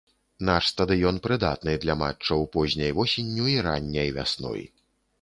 Наш стадыён прыдатны для матчаў позняй восенню і ранняй вясной.